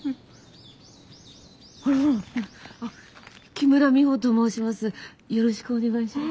木村美穂と申します。